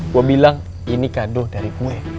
gue bilang ini kado dari gue